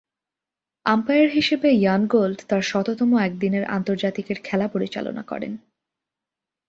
Umpire হিসেবে Ian Gould তার শততম একদিনের আন্তর্জাতিকের খেলা পরিচালনা করেন।